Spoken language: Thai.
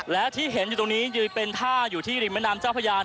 และที่เห็นอยู่ตรงนี้เป็นท่าอยู่ที่ริมแม่น้ำเจ้าพญาน